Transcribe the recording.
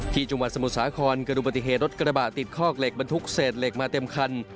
จังหวัดสมุทรสาครเกิดดูปฏิเหตุรถกระบะติดคอกเหล็กบรรทุกเศษเหล็กมาเต็มคัน